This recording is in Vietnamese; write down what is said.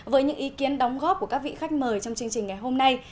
với những ý kiến đóng góp của các vị khách mời trong chương trình ngày hôm nay